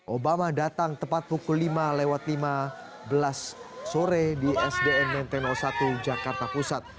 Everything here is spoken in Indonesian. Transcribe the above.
obama datang tepat pukul lima lewat lima belas sore di sdn menteng satu jakarta pusat